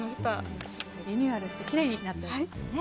リニューアルしてきれいになっておりますね。